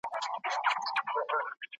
پلار یې وویل شکوي چي خپل سرونه ,